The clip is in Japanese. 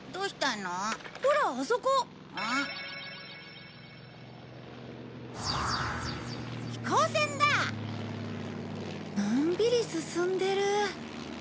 のんびり進んでる。